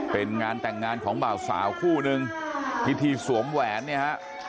เป็นงานแต่งงานของบ่าวสาวคู่นึงพิธีสวมแหวนเนี่ยฮะ